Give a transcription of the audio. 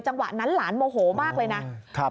จังหวะนั้นหลานโมโหมากเลยนะ